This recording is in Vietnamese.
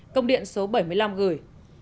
công điện số bảy mươi năm gửi